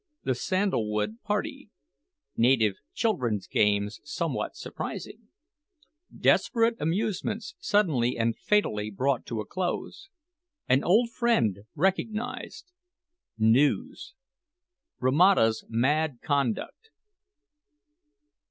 THE SANDAL WOOD PARTY NATIVE CHILDREN'S GAMES SOMEWHAT SURPRISING DESPERATE AMUSEMENTS SUDDENLY AND FATALLY BROUGHT TO A CLOSE AN OLD FRIEND RECOGNISED NEWS ROMATA'S MAD CONDUCT.